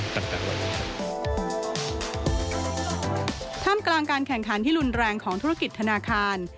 ท่ามกลางการแข่งขันที่รุนแรงของธุรกิจธนาคาร